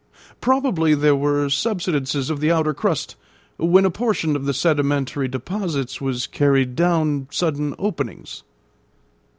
Probably there were subsidences of the outer crust, when a portion of the sedimentary deposits was carried down sudden openings."